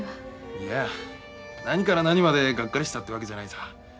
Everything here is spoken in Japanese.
いや何から何までがっかりしたってわけじゃないさ。